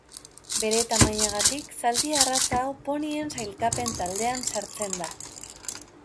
Bere tamainagatik zaldi arraza hau ponien sailkapen taldean sartzen da.